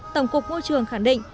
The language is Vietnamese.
tổng cục môi trường khẳng định